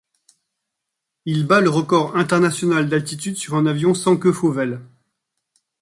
Il bat le record international d'altitude sur un avion sans queue Fauvel.